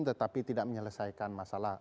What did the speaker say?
tetapi tidak menyelesaikan masalah